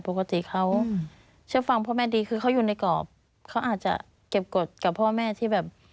ปกติเขาเชื่อฟังพ่อแม่ดีคือเขาอยู่ในกรอบเขาอาจจะเก็บกฎกับพ่อแม่ที่แบบ